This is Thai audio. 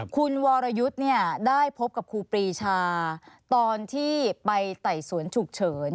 คุณวรยุทธ์ได้พบกับครูปรีชาตอนที่ไปไต่สวนฉุกเฉิน